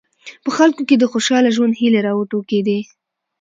په خلکو کې د خوشاله ژوند هیلې راوټوکېدې.